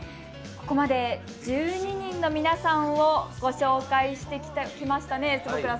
ここまで１２人の皆さんをご紹介してきましたね。